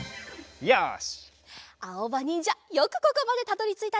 よし。